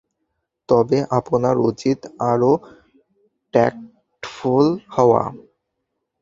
তবে, আপনার উচিত আরো ট্যাক্টফুল হওয়া।